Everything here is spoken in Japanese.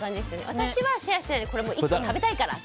私はシェアしないでこれ１個食べたいからって。